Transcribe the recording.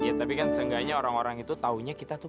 iya tapi kan seenggaknya orang orang itu taunya kita tuh